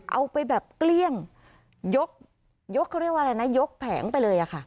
เอาไปแบบเกลี้ยงยกเขาเรียกว่าอะไรนะยกแผงไปเลยอะค่ะ